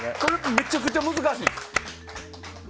めちゃくちゃ難しいんですか？